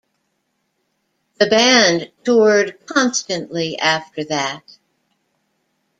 The band toured constantly after that.